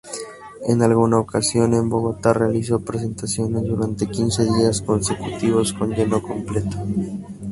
En alguna ocasión en Bogotá realizó presentaciones durante quince días consecutivos con lleno completo.